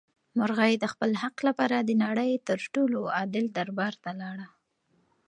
مرغۍ د خپل حق لپاره د نړۍ تر ټولو عادل دربار ته لاړه.